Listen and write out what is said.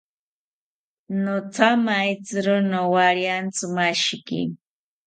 Nothamaetziro nowariantzimashiki